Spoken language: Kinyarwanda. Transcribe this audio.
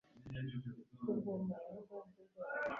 ku ngoma ya ruganzu ndoli